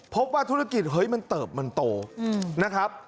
พบว่าธุรกิจเฮ้ยมันเติบมันโตนะครับ